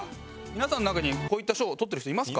皆さんの中にこういった賞をとってる人いますか？